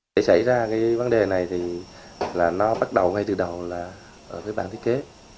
để xảy ra cái vấn đề này thì là nó bắt đầu ngay từ đầu là với bản thiết kế